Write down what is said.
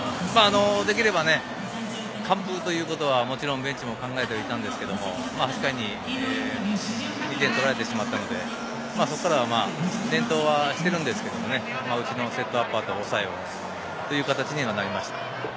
できれば完封ということはベンチも考えていたんですけれど、８回に２点取られてしまったので、そこからは連投しているんですけれど、セットアッパーと抑えをという形になりました。